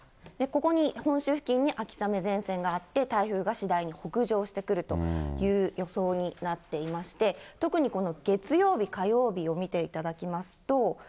ここに本州付近に秋雨前線があって、台風が次第に北上してくるという予想になっていまして、特にこの月曜日、火曜日を見ていただきますと。